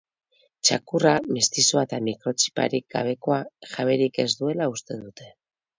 Txakurra, mestizoa eta mikrotxiparik gabekoa, jaberik ez duela uste dute.